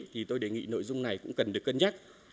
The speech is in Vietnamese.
thì tôi đề nghị nội dung này cũng cần được cân nhắc